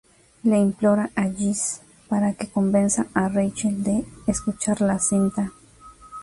Le implora a Jesse para que convenza a Rachel de escuchar la cinta.